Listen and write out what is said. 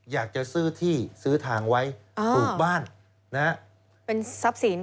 อยากจะซื้อที่ซื้อทางไว้ปลูกบ้าน